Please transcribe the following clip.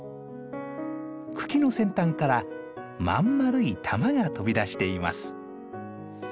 茎の先端から真ん丸い玉が飛び出しています。